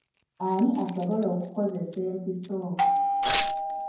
Ani asobola okukozesa empiso?